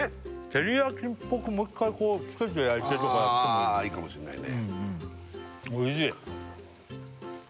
照り焼きっぽくもう一回こうつけて焼いてとかやってもああいいかもしれないねおいしい！